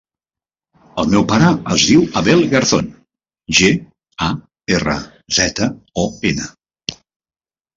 El meu pare es diu Abel Garzon: ge, a, erra, zeta, o, ena.